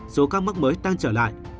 số ca mắc mới tăng trở lại